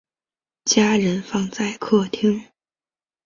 家人放在客厅